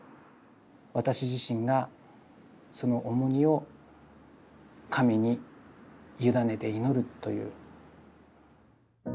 私自身がその重荷を神に委ねて祈るという。